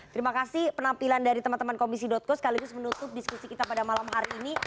terima kasih penampilan dari teman teman komisi co sekaligus menutup diskusi kita pada malam hari ini